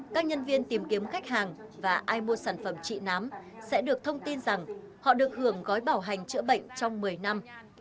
các nhân viên tìm kiếm khách hàng và ai mua sản phẩm trị nám sẽ được thông tin rằng họ được hưởng gói bảo hành chữa bệnh trong một mươi năm